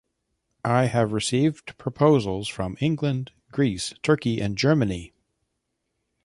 I have received proposals from England, Greece, Turkey and Germany.